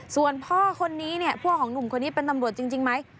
ส่วนพ่อคนนี้เนี่ยพ่อของหนุ่มคนนี้เป็นตำรวจจริงไหม